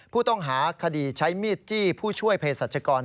ผู้ต้องหาคดีใช้มีดจี้ผู้ช่วยเพศสัชกร